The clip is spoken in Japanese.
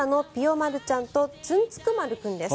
丸ちゃんとつんつく丸君です。